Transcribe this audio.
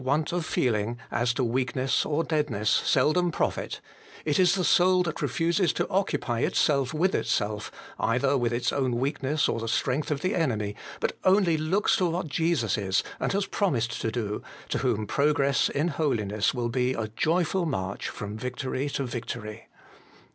163 want of feeling, as to weakness or deadness, seldom profit : it is the soul that refuses to occupy itself with itself, either with its own weakness or the strength of the enemy, but only looks to what Jesus is, and has promised to do, to whom progress in holiness will be a joyful march from victory to victory.